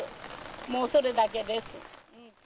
もうそれだけです。